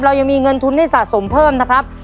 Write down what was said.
เรายังมีเงินทุนให้สะสมเพิ่มนะครับ